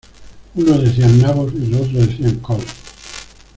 Unos decían nabos y los otros decían coles.